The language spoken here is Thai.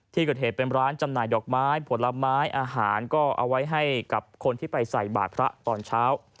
ที่เกิดเหตุเป็นร้านจำหน่ายดอกไม้ผลไม้อาหารก็เอาไว้ให้กับคนที่ไปใส่บาทพระตอนเช้า